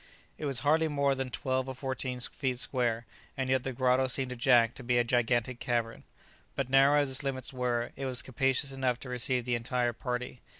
It was hardly more than twelve or fourteen feet square, and yet the grotto seemed to Jack to be a gigantic cavern. But narrow as its limits were, it was capacious enough to receive the entire party.